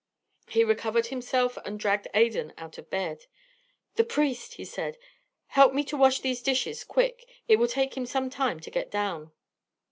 He recovered himself and dragged Adan out of bed. "The priest!" he said. "Help me to wash these dishes quick. It will take him some time to get down."